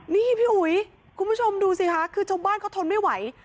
นี่พี่อุ๋ยคุณผู้ชมดูสิคะคือชาวบ้านเขาทนไม่ไหว